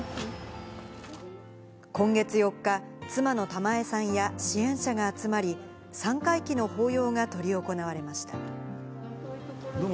今月４日、妻の玉枝さんや支援者が集まり、三回忌の法要が執り行われました。